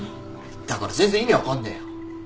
だから全然意味分かんねえよ。